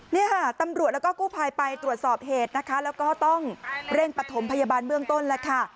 นี่ค่ะตำรวจแล้วก็กู้ภัยไปตรวจสอบเหตุนะคะแล้วก็ต้องเร่งปฐมพยาบาลเบื้องต้นแล้วค่ะ